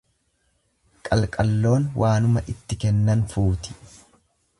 Qalqalloon waanuma itti kennan fuuti.